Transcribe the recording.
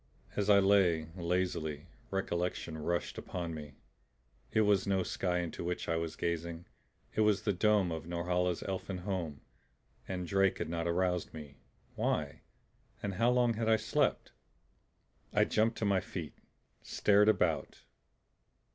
As I lay, lazily, recollection rushed upon me. It was no sky into which I was gazing; it was the dome of Norhala's elfin home. And Drake had not aroused me. Why? And how long had I slept? I jumped to my feet, stared about.